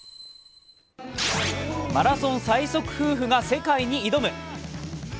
マラソン最速夫婦が世界に挑む。